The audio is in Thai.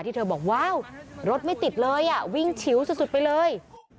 ที่เธอบอกว้าวรถไม่ติดเลยอ่ะวิ่งชิวสุดสุดไปเลย